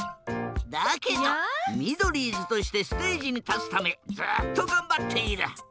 だけどミドリーズとしてステージにたつためずっとがんばっている。